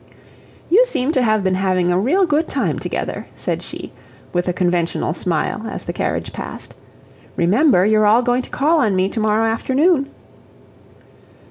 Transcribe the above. "You seem to have been having a real good time together," said she, with a conventional smile, as the carriage passed. "Remember, you're all going to call on me tomorrow afternoon."